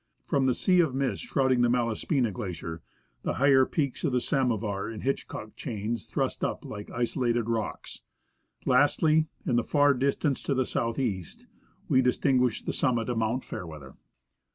From the sea of mist shrouding the Malaspina Glacier, the higher peaks of the Samovar and Hitchcock chains thrust up Hl<:e isolated rocks. Lastly, in the far distance, to the south east, we distinguish the summit of Mount Fairweather.